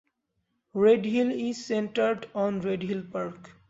Redhill is centred on Redhill Park.